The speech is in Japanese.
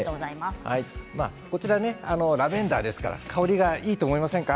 ラベンダーですから香りがいいと思いませんか。